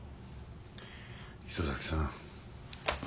磯崎さん。